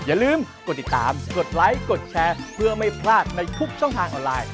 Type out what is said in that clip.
อย่าลืมกดติดตามกดไลค์กดแชร์เพื่อไม่พลาดในทุกช่องทางออนไลน์